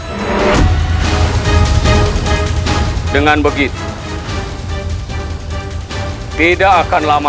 kau ingat oleh dua di awal praktekmu